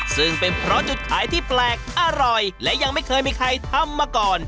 ซึ่งเป็นเพราะจุดขายที่แปลกอร่อยและยังไม่เคยมีใครทำมาก่อน